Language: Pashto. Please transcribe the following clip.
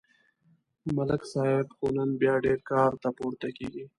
ملک صاحب خو نن بیا ډېر کار ته پورته کېږي